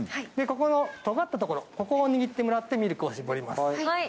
ここのとがったところを握ってもらってミルクを搾ります。